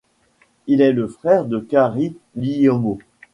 Il est le frère de Kari Liimo.